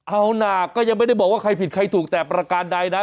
เอานะก็ยังไม่ได้บอกว่าใครผิดใครถูกแต่ประการใดนะ